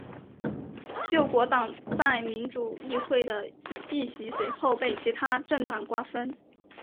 救国党在国民议会的议席随后被其它政党瓜分。